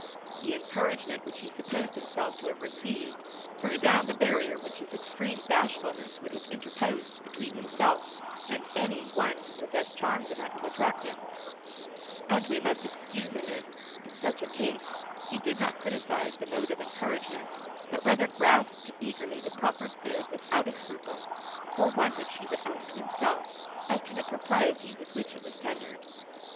The encouragement which he supposed himself to have received, threw down the barrier which his extreme bashfulness would have interposed between himself and any one who possessed charms enough to attract him; and we must excuse him if, in such a case, he did not criticise the mode of encouragement, but rather grasped eagerly the proffered good without a scruple, or one which he would own to himself, as to the propriety with which it was tendered.